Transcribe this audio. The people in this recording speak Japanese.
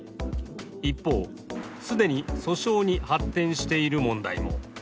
一方、既に訴訟に発展している問題も。